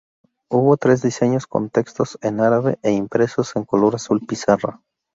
Hubo tres diseños con textos en árabe e impresos en color azul pizarra.